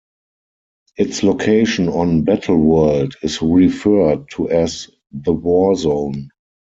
Its location on Battleworld is referred to as the Warzone.